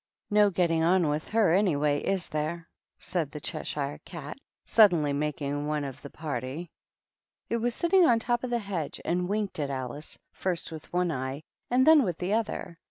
"No getting on with her, anyway, is there?" THE RED QUEEN AND THE DUCHESS. 123 said the Cheshire Cat, suddenly making one of the party. It was sitting on top of the hedge, and winked at Alice, first with one eye and then with the other.